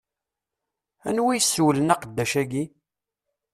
Anwa i yessewlen aqeddac-agi?